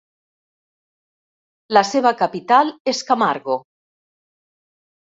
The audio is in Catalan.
La seva capital és Camargo.